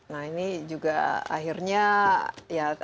nah ini juga akhirnya